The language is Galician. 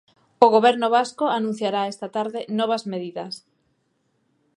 O Goberno vasco anunciará esta tarde novas medidas.